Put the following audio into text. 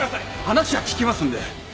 話は聞きますんで。